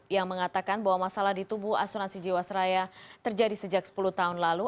yang mengatakan bahwa masalah di tubuh asuransi jiwasraya terjadi sejak sepuluh tahun lalu